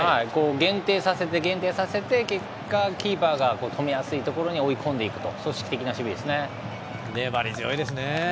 限定させて、限定させて結果キーパーが止めやすい所に追い込んでいくと粘り強いですね。